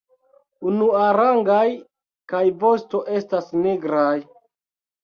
Unuarangaj kaj vosto estas nigraj.